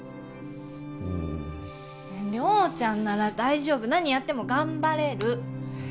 うん亮ちゃんなら大丈夫何やっても頑張れる